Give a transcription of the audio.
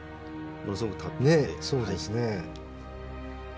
そうですね。